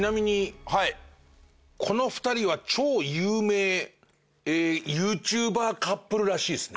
この２人は超有名ＹｏｕＴｕｂｅｒカップルらしいですね。